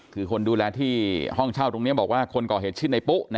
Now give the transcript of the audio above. คือคนดูแลที่ห้องเช่าตรงนี้บอกว่าคนก่อเหตุชื่อในปุ๊